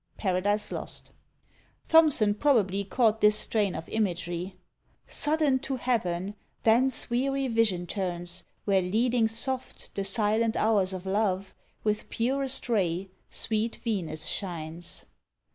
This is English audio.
Paradise Lost. Thomson probably caught this strain of imagery: Sudden to heaven Thence weary vision turns, where leading soft The silent hours of love, with purest ray Sweet Venus shines.